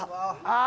ああ。